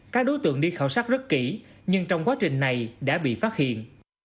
các đối tượng đi khảo sát rất kỹ nhưng trong quá trình này đã bị phát hiện